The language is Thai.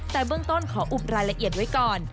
แต่เบื้องต้นขออุบรายละเอียดไว้ก่อน